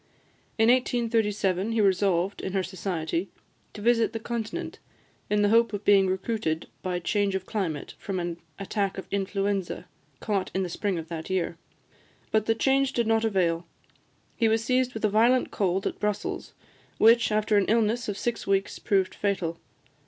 In 1837, he resolved, in her society, to visit the Continent, in the hope of being recruited by change of climate from an attack of influenza caught in the spring of that year. But the change did not avail; he was seized with a violent cold at Brussels, which, after an illness of six weeks, proved fatal.